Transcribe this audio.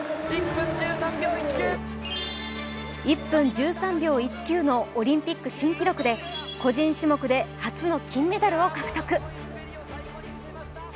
１分１３秒１９のオリンピック新記録で個人種目で初の金メダル獲得。